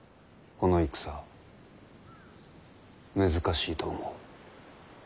この戦難しいと思う。